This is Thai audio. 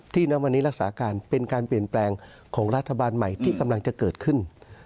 ณวันนี้รักษาการเป็นการเปลี่ยนแปลงของรัฐบาลใหม่ที่กำลังจะเกิดขึ้น